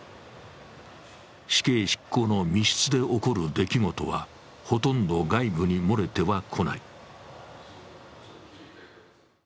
死刑執行の密室で起こる出来事はほとんど外部に漏れてはこない。